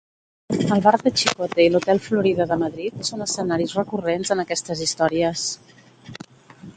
El bar de Chicote i l'hotel Florida de Madrid són escenaris recurrents en aquestes històries.